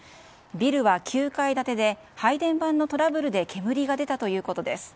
ビルは９階建てで配電盤のトラブルで煙が出たということです。